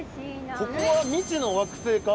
「ここは未知の惑星か？